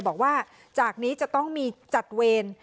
บอกว่าจากนี้จะต้องมีจัดเวร